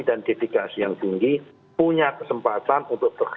dan dedikasi yang tinggi punya kesempatan untuk berhikmah